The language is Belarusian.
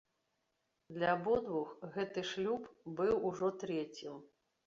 Для абодвух гэты шлюб быў ужо трэцім.